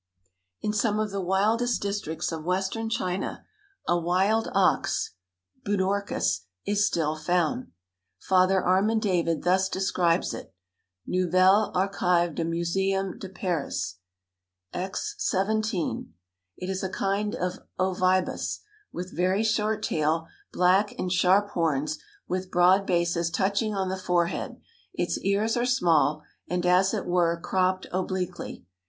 In some of the wildest districts of western China a wild ox (budorcas) is still found. Father Armand David thus describes it (Nouvelles Archives du Museum de Paris, X., 17): "It is a kind of ovibos, with very short tail, black and sharp horns, with broad bases touching on the forehead; its ears are small, and, as it were, cropped obliquely.